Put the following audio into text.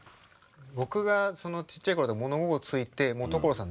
僕がちっちゃい頃物心ついて所さん